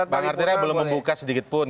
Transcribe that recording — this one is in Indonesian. bang artirah belum membuka sedikitpun